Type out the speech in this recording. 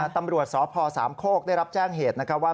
ตำรวจสพสามโคกได้รับแจ้งเหตุนะครับว่า